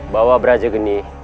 bawa braja geni